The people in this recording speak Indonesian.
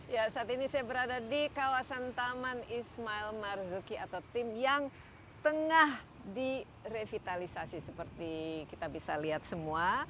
ya saat ini saya berada di kawasan taman ismail marzuki atau tim yang tengah direvitalisasi seperti kita bisa lihat semua